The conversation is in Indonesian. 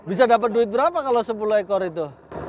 bisa dapat duit berapa kalau sepuluh ekor itu